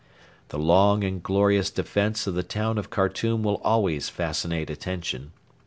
The long and glorious defence of the town of Khartoum will always fascinate attention.